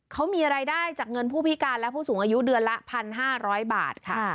เขามีรายได้จากเงินผู้พิการและผู้สูงอายุเดือนละ๑๕๐๐บาทค่ะ